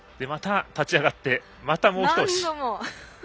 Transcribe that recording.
また立ち上がってまた、もう一押し。